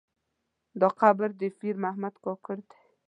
دا قبر د پیر محمد کاکړ دی.